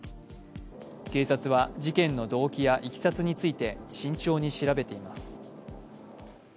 警察は事件の動機やいきさつについて、慎重に調べています。